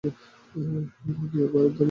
হ্যাঁ আমি গিয়ে বাইরে দাঁড়িয়ে থাকবো।